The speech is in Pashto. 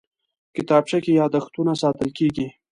کتابچه کې یادښتونه ساتل کېږي